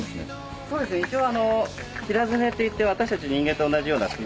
そうですね一応平爪といって私たち人間と同じような爪。